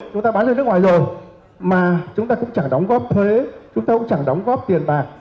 chúng ta bán ra nước ngoài rồi mà chúng ta cũng chẳng đóng góp thuế chúng ta cũng chẳng đóng góp tiền bạc